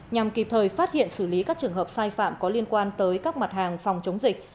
nhằm kịp thời phát hiện xử lý các trường hợp sai phạm có liên quan tới các mặt hàng phòng chống dịch